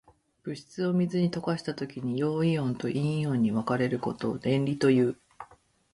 物質を水に溶かしたときに、陽イオンと陰イオンに分かれることを電離という。